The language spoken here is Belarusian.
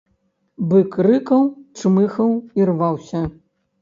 Бык рыкаў, чмыхаў і рваўся.